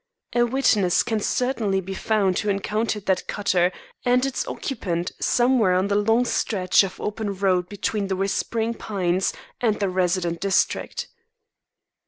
A witness can certainly be found who encountered that cutter and its occupant somewhere on the long stretch of open road between The Whispering Pines and the resident district."